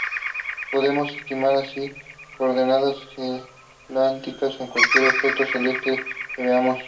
Podemos estimar así las coordenadas galácticas de cualquier objeto celeste que veamos.